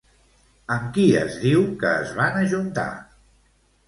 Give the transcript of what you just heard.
Amb qui es diu que es van ajuntar?